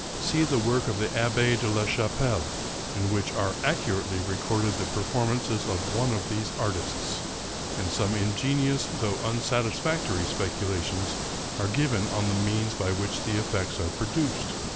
See the work of the Ahh6 de la Chap pelle, in which are accurately recorded the performances of one of these artists, and some ingenious though unsatisfactory speculations are given on the means by which the effects are produced.